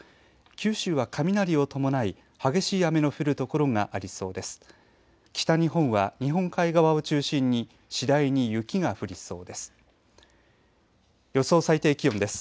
九州は雷を伴い激しい雨の降る所がありそうです。